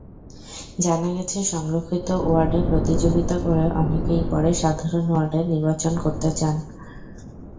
জানা গেছে, সংরক্ষিত ওয়ার্ডে প্রতিযোগিতা করে অনেকেই পরে সাধারণ ওয়ার্ডে নির্বাচন করতে চান।